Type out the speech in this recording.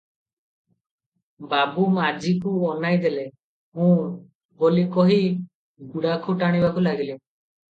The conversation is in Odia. ବାବୁ ମାଝିକୁ ଅନାଇ ଦେଲେ - 'ହୁଁ' ବୋଲି କହି ଗୁଡାଖୁ ଟାଣିବାକୁ ଲାଗିଲେ ।